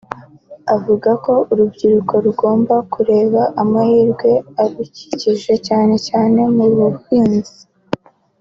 Avuga ko urubyiruko rugomba kureba amahirwe arukikije cyane cyane mu buhinzi